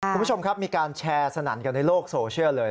คุณผู้ชมครับมีการแชร์สนั่นกันในโลกโซเชียลเลย